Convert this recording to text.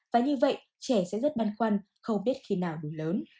và như vậy trẻ sẽ rất băn khoăn không biết khi nào đủ lớn